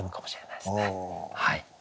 はい。